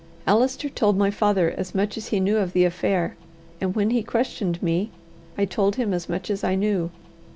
Allister told my father as much as he knew of the affair; and when he questioned me, I told him as much as I knew.